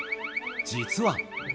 実は。